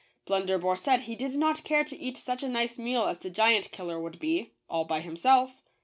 Blunderbore said he did not care to eat such a nice meal as the Giant Killer would be, all by himself.